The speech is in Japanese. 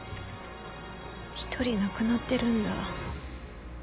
１人亡くなってるんだ。